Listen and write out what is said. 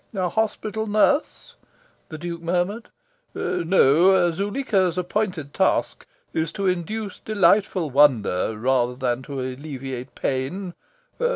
"A hospital nurse?" the Duke murmured. "No, Zuleika's appointed task is to induce delightful wonder rather than to alleviate pain.